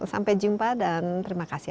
sampai jumpa dan terima kasih